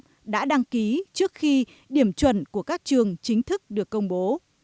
sở giáo dục đã đăng ký trước khi điểm chuẩn của các trường chính thức được công bố